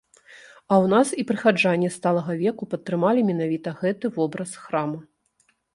А ў нас і прыхаджане сталага веку падтрымалі менавіта гэты вобраз храма.